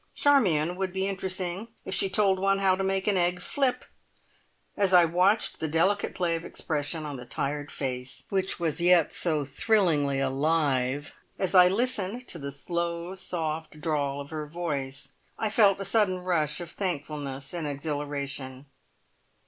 Charmion would be interesting if she told one how to make an egg flip! As I watched the delicate play of expression on the tired face, which was yet so thrillingly alive, as I listened to the slow soft drawl of her voice, I felt a sudden rush of thankfulness and exhilaration.